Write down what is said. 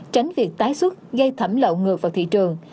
tránh việc tái xuất gây thẩm lậu ngược vào thị trường